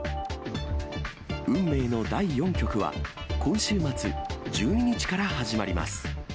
運命の第４局は、今週末１２日から始まります。